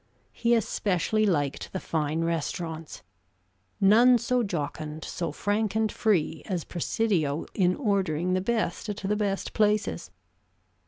He especially liked the fine restaurants. None so jocund, so frank and free as Presidio in ordering the best at the best places.